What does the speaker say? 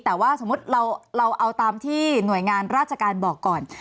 แต่ว่าสมมุติเราเอาตามที่หน่วยงานราชการบอกก่อน